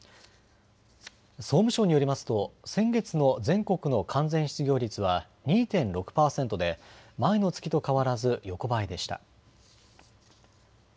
総務省によりますと先月の全国の完全失業率は２．６％で前の月と変わらず横ばいでした。